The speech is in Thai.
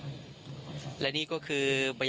จงสลิดดังวังวะระหะรึไทย